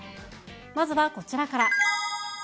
まずはこちらから。